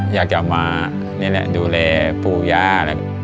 อยากจะมาดูแลผู้ยา